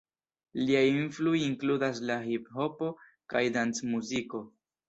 Liaj influoj inkludas la hiphopo kaj dancmuziko.